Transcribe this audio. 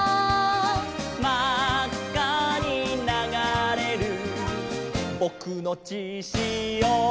「まっかにながれるぼくのちしお」